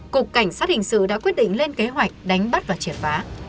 cục cảnh sát hình sự đã quyết định lên kế hoạch đánh bắt bạc bịp